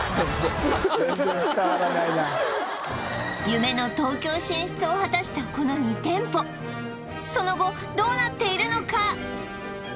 夢の東京進出を果たしたこの２店舗その後どうなっているのか